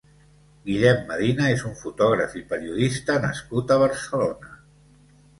Guillem Medina és un fotògraf i periodista nascut a Barcelona.